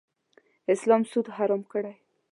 اسلام سود حرام کړی.